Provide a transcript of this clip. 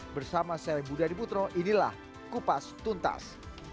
bersama saya budi adiputro inilah kupas tuntas